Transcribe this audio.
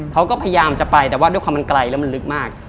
เขาก็พยายามจะไปแต่ว่าด้วยความมันไกลแล้วมันลึกมาก